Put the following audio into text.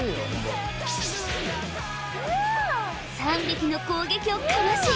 ３匹の攻撃をかわし